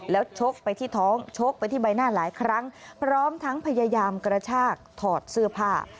แล้วชกไปที่ท้องชกไปที่ใบหน้าหลายครั้งพร้อมทั้งพยายามกระชากถอดเสื้อผ้า